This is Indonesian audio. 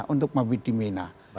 untuk mabid di mina